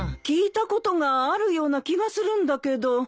聞いたことがあるような気がするんだけど。